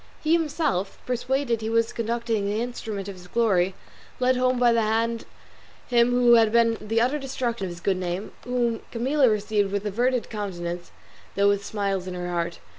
He himself, persuaded he was conducting the instrument of his glory, led home by the hand him who had been the utter destruction of his good name; whom Camilla received with averted countenance, though with smiles in her heart.